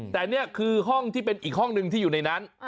แต่นี่คือห้องที่เป็นอีกห้องหนึ่งที่อยู่ในนั้น